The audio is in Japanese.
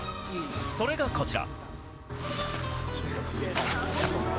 それがこちら。